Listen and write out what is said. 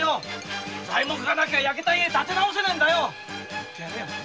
売ってやれよ。